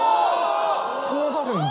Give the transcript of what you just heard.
そうなるんだ。